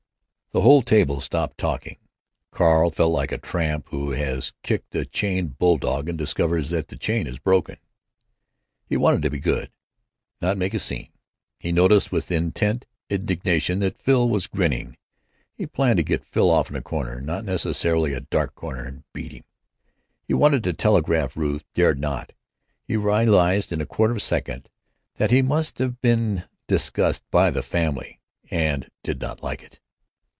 The whole table stopped talking. Carl felt like a tramp who has kicked a chained bulldog and discovers that the chain is broken. He wanted to be good; not make a scene. He noticed with intense indignation that Phil was grinning. He planned to get Phil off in a corner, not necessarily a dark corner, and beat him. He wanted to telegraph Ruth; dared not. He realized, in a quarter second, that he must have been discussed by the Family, and did not like it.